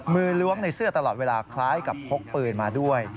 ล้วงในเสื้อตลอดเวลาคล้ายกับพกปืนมาด้วย